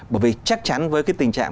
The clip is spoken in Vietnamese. bởi vì chắc chắn với cái tình trạng